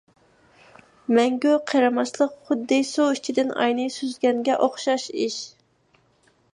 مەڭگۈ قېرىماسلىق خۇددى سۇ ئىچىدىن ئاينى سۈزگەنگە ئوخشاش ئىش.